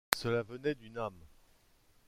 Cela venait d’une âme.